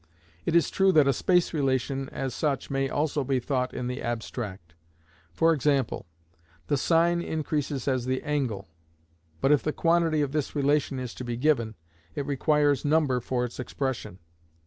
It is true that a space relation as such may also be thought in the abstract; for example, "the sine increases as the angle," but if the quantity of this relation is to be given, it requires number for its expression.